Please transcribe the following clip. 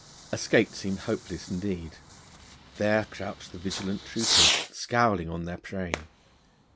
Escape seemed hopeless indeed; there crouched the vigilant troopers, scowling on their prey.